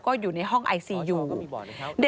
พบหน้าลูกแบบเป็นร่างไร้วิญญาณ